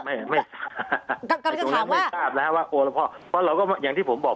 กำลังจะถามว่าไม่ทราบนะฮะว่าโอละพ่อเพราะเราก็อย่างที่ผมบอก